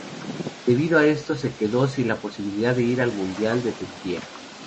Debido a esto, se quedó sin la posibilidad de ir al Mundial de Turquía.